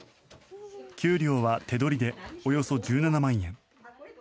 給料は手取りでおよそ１７万円。